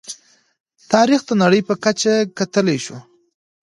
تاریخ د نړۍ په کچه کتلی شو.